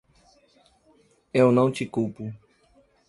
Eu não te culpo.